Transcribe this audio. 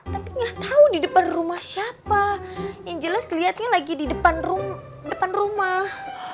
tapi gak tau di depan rumah siapa yang jelas liatnya lagi di depan rumah